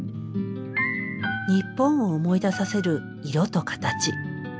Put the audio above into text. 日本を思い出させる色と形。